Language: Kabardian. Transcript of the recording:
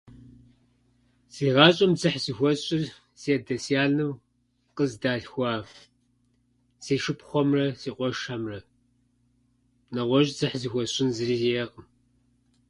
Си гъащӏэм дзыхь зыхуэсщӏыр сядэ-сянэм къыздалъхуа си шыпхъухэмрэ си къуэшхьэмрэ. Нэгъуэщӏ дзыхь зыхуэсщӏын зыри сиӏэкъым.